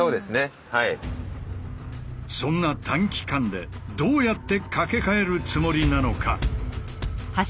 そんな短期間でどうやって架け替えるつもりなのか？